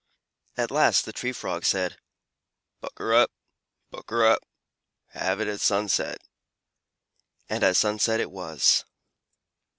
At last the Tree Frog said: "Pukr r rup! Pukr r rup! Have it at sunset!" And at sunset it was.